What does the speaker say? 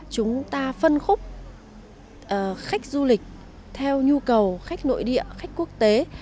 chúng ta phân khúc khách du lịch theo nhu cầu khách nội địa khách quốc tế